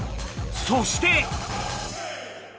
そして！